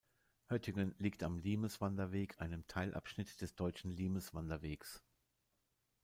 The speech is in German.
Höttingen liegt am Limeswanderweg, einem Teilabschnitt des Deutschen Limes-Wanderwegs.